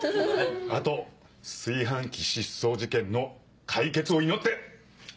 あと炊飯器失踪事件の解決を祈って乾杯！